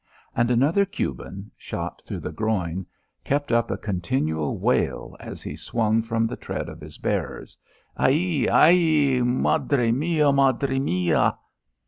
And another Cuban, shot through the groin, kept up a continual wail as he swung from the tread of his bearers. "Ay ee! Ay ee! Madre mia! Madre mia!"